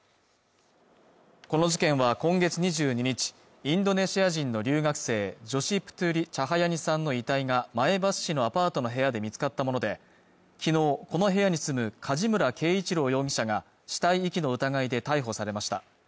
この事件は今月２２日インドネシア人の留学生ジョシ・プトゥリ・チャハヤニさんの遺体が前橋市のアパートの部屋で見つかったもので昨日この部屋に住む梶村圭一郎容疑者が死体遺棄の疑いで逮捕されました